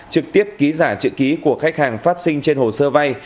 trực tiếp ký giả chữ ký của khách hàng phát sinh trên hồ sơ vay